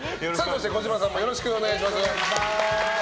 児嶋さんもよろしくお願いします。